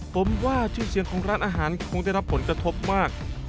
ผมว่าชื่อเสียงของร้านอาหารคงได้รับผลกระทบมาก